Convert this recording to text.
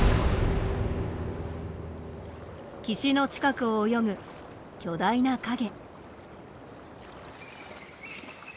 岸の近くを泳ぐ巨大な影。